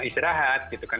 istirahat gitu kan